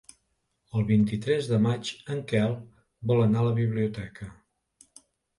El vint-i-tres de maig en Quel vol anar a la biblioteca.